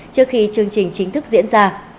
trước khi chương trình chính thức diễn ra